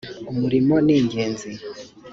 umurimo ningenzi.